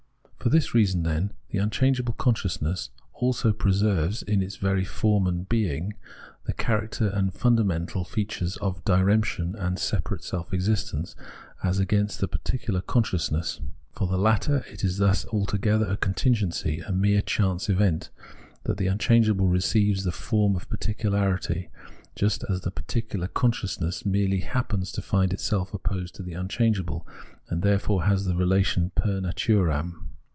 For this reason, then, the unchangeable consciousness also preserves, in its very form and bearing, the character and fundamental features of diremption and separate self existence, as against the particular consciousness. For the latter it is thus altogether a contingency, a mere chance event, that the unchangeable receives the form of particularity ; just as the particular consciousness merely happens to find itself opposed to the unchange able, and therefore has this relation fer naturam.